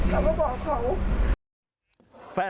เขาก็บอกเขา